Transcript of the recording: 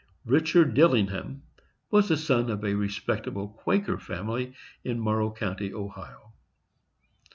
Richard Dillingham was the son of a respectable Quaker family in Morrow County, Ohio.